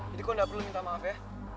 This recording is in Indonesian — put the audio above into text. jadi kau gak perlu minta maaf ya